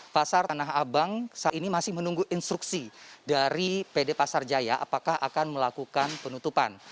pasar tanah abang saat ini masih menunggu instruksi dari pd pasar jaya apakah akan melakukan penutupan